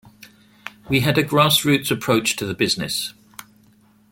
We had a grassroots approach to the business.